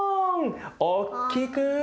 おっきく。